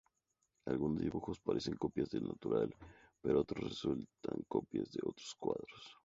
Algunos dibujos parecen copias del natural, pero otros resultan copias de otros cuadros.